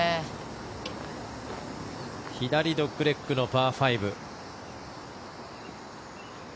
左ドッグレッグのパー５。